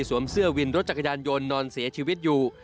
เสื้อวินรถจักรยานยนต์นอนเสียชีวิตอยู่